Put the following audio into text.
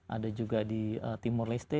ada juga di timur leste